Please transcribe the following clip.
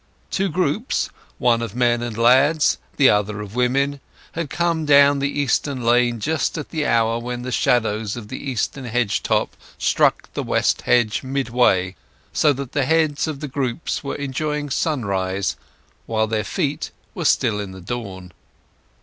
Two groups, one of men and lads, the other of women, had come down the lane just at the hour when the shadows of the eastern hedge top struck the west hedge midway, so that the heads of the groups were enjoying sunrise while their feet were still in the dawn.